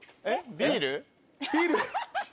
ビール。